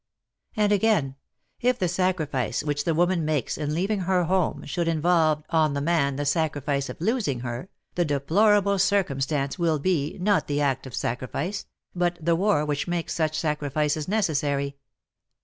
And again, if the sacrifice which the woman makes in leaving her home should involve on the 7nan the sacrifice of losing her, the deplorable circumstance will be, not the act of sacrifice, but the war which makes such sacrifices neces sary.